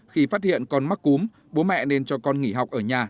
khi phát hiện con mắc cúm bố mẹ nên cho con nghỉ học ở nhà